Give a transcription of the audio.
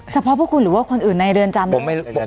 เฉพาะพวกคุณหรือว่าคนอื่นในเรือนจำ